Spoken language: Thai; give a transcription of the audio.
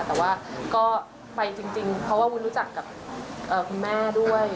แต่ว่าก็ไปจริงเพราะว่าวุ้นรู้จักกับคุณแม่ด้วย